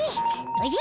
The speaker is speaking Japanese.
おじゃ。